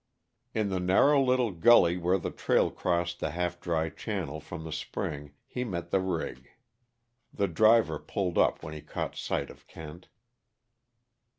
In the narrow little gully where the trail crossed the half dry channel from the spring he met the rig. The driver pulled up when he caught sight of Kent.